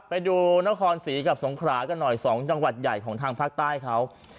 ไปดูนครศรีกับสงขรากันหน่อย๒จังหวัดใหญ่ของทางภาคใต้เขา